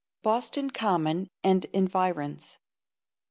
Boston Common and Environs.